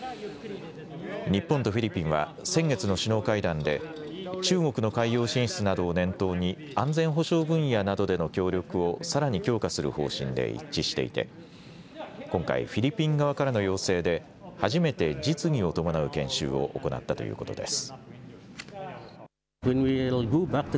日本とフィリピンは先月の首脳会談で中国の海洋進出などを念頭に安全保障分野などでの協力をさらに強化する方針で一致していて今回、フィリピン側からの要請で初めて実技を伴う研修を行ったということです。